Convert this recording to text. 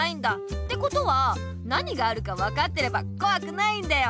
ってことはなにがあるかわかってればこわくないんだよ。